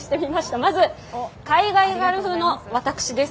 まず、海外ガール風の私です。